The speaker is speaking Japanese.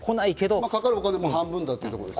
かかるお金も半分ですね。